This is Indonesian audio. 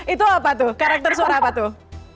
itu apa tuh karakter suara apa tuh